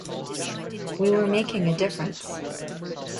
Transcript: We were making a difference.